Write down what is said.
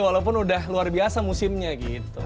walaupun udah luar biasa musimnya gitu